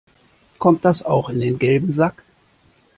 Kommt das auch in den gelben Sack?